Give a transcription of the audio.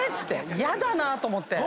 ⁉ヤダなと思って。